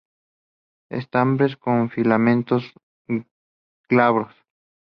Estambres con filamentos glabros.